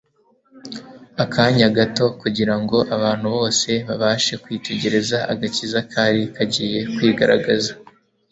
akanya gato, kugira ngo abantu bose babashe kwitegereza agakiza kari kagiye kwigaragaza.